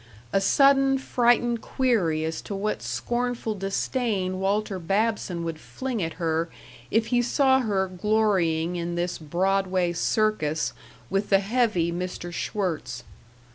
A sudden, frightened query as to what scornful disdain Walter Babson would fling at her if he saw her glorying in this Broadway circus with the heavy Mr. Schwirtz.